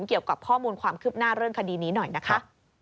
เกี่ยวกับข้อมูลความคืบหน้าเรื่องคดีนี้หน่อยนะคะ